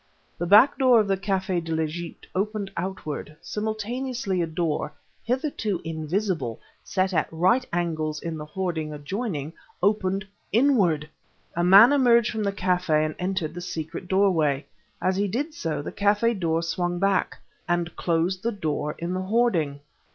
The back door of the Café de l'Egypte opened outward, simultaneously a door, hitherto invisible, set at right angles in the hoarding adjoining, opened inward! A man emerged from the café and entered the secret doorway. As he did so, the café door swung back ... and closed the door in the hoarding!